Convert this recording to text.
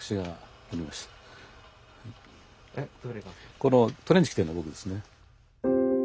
このトレンチ着てるの僕ですね。